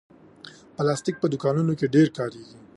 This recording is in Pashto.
پلاستيک په دوکانونو کې ډېر کارېږي.